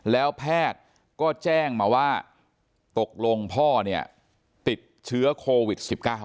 แล้วแพทย์ก็แจ้งมาว่าตกลงพ่อเนี่ยติดเชื้อโควิด๑๙